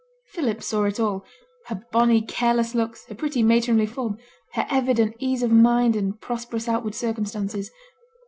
Philip saw it all; her bonny careless looks, her pretty matronly form, her evident ease of mind and prosperous outward circumstances.